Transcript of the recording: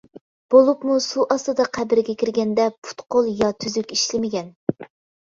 بولۇپمۇ سۇ ئاستىدا قەبرىگە كىرگەندە پۇت-قول يا تۈزۈك ئىشلىمىگەن.